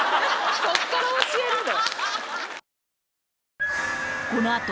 そっから教えるの？